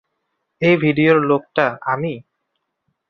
এই ভিডিওর লোকটা, আমি?